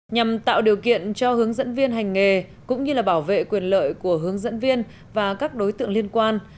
nhằm tạo điều kiện cho hướng dẫn viên hành nghề cũng như bảo vệ quyền lợi của hướng dẫn viên và các đối tượng liên quan